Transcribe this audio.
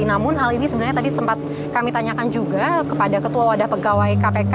namun hal ini sebenarnya tadi sempat kami tanyakan juga kepada ketua wadah pegawai kpk